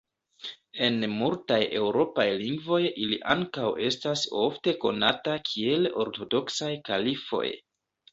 En multaj eŭropaj lingvoj ili ankaŭ estas ofte konataj kiel ortodoksaj kalifoj.